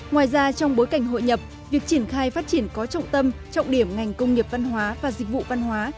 ngoài ra trong bối cảnh hội nhập việc triển khai phát triển có trọng tâm trọng điểm ngành công nghiệp văn hóa và dịch vụ văn hóa